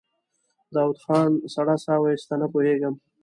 داوود خان سړه سا وايسته: نه پوهېږم.